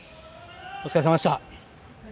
お疲れさまでした。